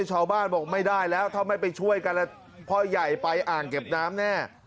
ชาวบ้านบอกไม่ได้แล้วถ้าไม่ไปช่วยกันแล้วพ่อใหญ่ไปอ่างเก็บน้ำแน่